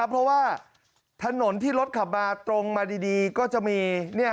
เพราะว่าถนนที่รถขับมาตรงมาดีก็จะมี